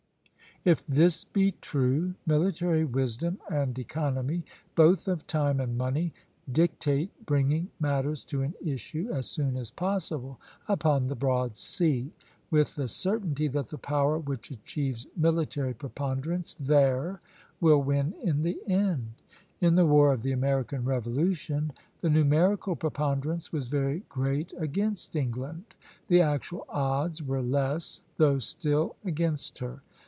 If this be true, military wisdom and economy, both of time and money, dictate bringing matters to an issue as soon as possible upon the broad sea, with the certainty that the power which achieves military preponderance there will win in the end. In the war of the American Revolution the numerical preponderance was very great against England; the actual odds were less, though still against her.